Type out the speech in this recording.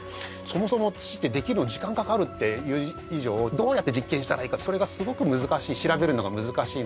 そもそも土ってできるのに時間かかるっていう以上どうやって実験したらいいかそれがすごく調べるのが難しい